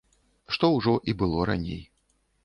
Што ўжо і было раней.